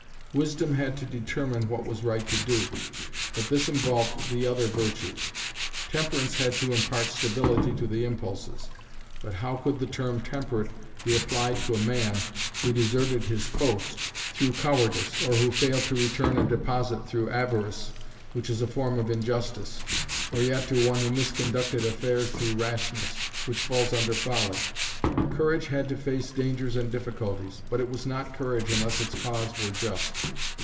Wisdom had to determine what it was right to do, but this involved the other virtues. Temperance had to impart stability to the impulses, but how could the term 'temperate' be applied to a man who deserted his post through cowardice, or who failed to return a deposit through avarice, which is a form of injustice, or yet to one who misconducted affairs through rashness, which falls under folly? Courage had to face dangers and difficulties, but it was not courage unless its cause were just.